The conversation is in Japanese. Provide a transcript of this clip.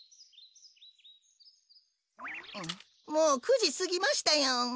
もう９じすぎましたよ。